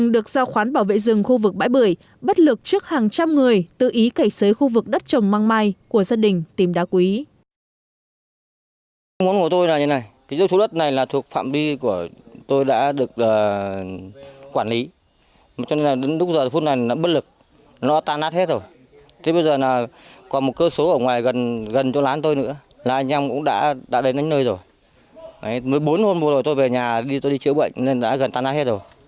do khoán bảo vệ rừng khu vực bãi bưởi bất lực trước hàng trăm người tự ý cậy xới khu vực đất trồng mang mai của gia đình tìm đá quý